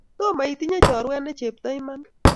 Tomo itinye choruet ne chepto iman?